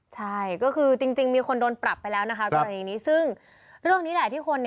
ใช่ก็คือจริงมีคนโดนปรับไปแล้วนะคะสักครั้งนี้